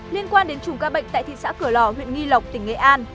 liên quan đến chủng ca bệnh tại thị xã cửa lò huyện nghi lộc tỉnh nghệ an